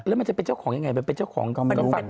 แล้วมันจะเป็นเจ้าของอย่างไรเป็นเจ้าของกลางมือฝั่งกัน